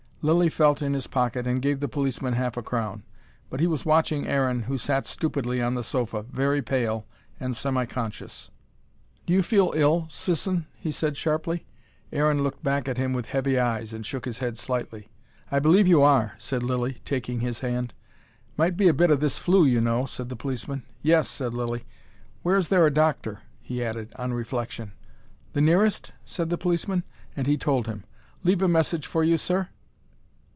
Lilly felt in his pocket, and gave the policeman half a crown. But he was watching Aaron, who sat stupidly on the sofa, very pale and semi conscious. "Do you feel ill, Sisson?" he said sharply. Aaron looked back at him with heavy eyes, and shook his head slightly. "I believe you are," said Lilly, taking his hand. "Might be a bit o' this flu, you know," said the policeman. "Yes," said Lilly. "Where is there a doctor?" he added, on reflection. "The nearest?" said the policeman. And he told him. "Leave a message for you, Sir?"